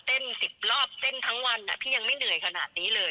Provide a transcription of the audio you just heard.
๑๐รอบเต้นทั้งวันพี่ยังไม่เหนื่อยขนาดนี้เลย